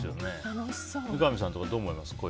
三上さんはどう思いますか？